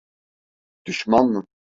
Düşman mı?